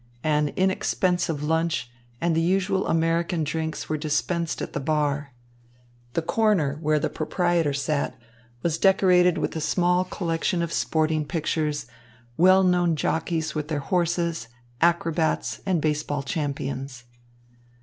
An inexpensive lunch and the usual American drinks were dispensed at the bar. The corner where the proprietor sat was decorated with a small collection of sporting pictures, well known jockeys with their horses, acrobats, and baseball champions.